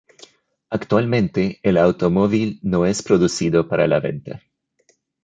Actualmente el automóvil no es producido para la venta.